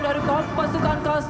dari kompasukan kast